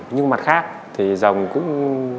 nhưng mặt khác thì rồng cũng